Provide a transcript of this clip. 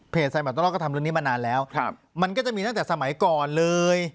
ไซมาตลอดก็ทำเรื่องนี้มานานแล้วมันก็จะมีตั้งแต่สมัยก่อนเลย